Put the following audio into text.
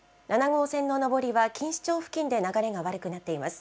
７号線の上りは錦糸町付近で流れが悪くなっています。